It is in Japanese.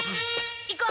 行こう！